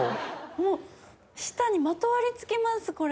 もう舌にまとわり付きますこれ。